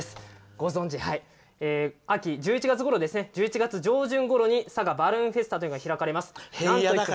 ご存じ、秋、１１月上旬ごろに佐賀バルーンフェスタというのが開かれます。